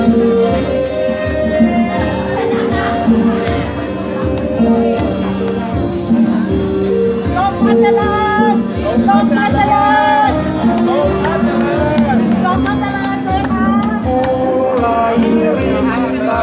มุ่งราเร็วที่สุลัมต์มันจะได้หาเพียงอยู่ในเมือง